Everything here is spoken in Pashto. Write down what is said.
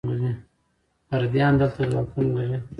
پردیان دلته ځواکونه لري.